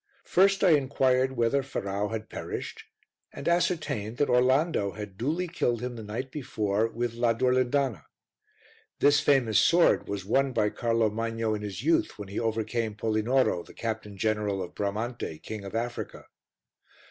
First I inquired whether Ferrau had perished and ascertained that Orlando had duly killed him the night before with la Durlindana. This famous sword was won by Carlo Magno in his youth when he overcame Polinoro, the captain general of Bramante, King of Africa.